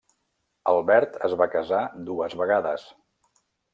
Albert es va casar dues vegades.